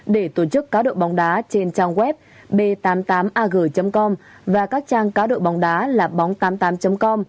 để tổ chức cá độ bóng đá trên trang web b tám mươi tám ag com và các trang cá độ bóng đá là bóng tám mươi tám com